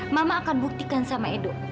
mama akan buktikan sama edo